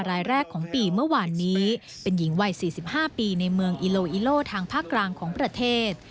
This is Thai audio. รายแรกของปีเมื่อวานนี้เป็นหญิงวัย๔๕ปีในเมืองอิโลอิโลทางภาคกลางของประเทศ